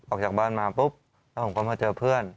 ออกจากบ้านมาปุ๊บแล้วผมก็มาเจอเพื่อน